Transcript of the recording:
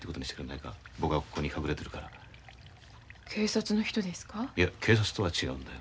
いや警察とは違うんだよ。